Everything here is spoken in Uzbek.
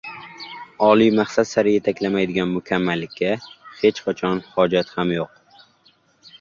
Oliy maqsad sari yetaklamaydigan mukammallikka hech qachon hojat ham yo‘q.